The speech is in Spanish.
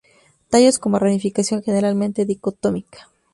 Tallos con ramificación generalmente dicotómica.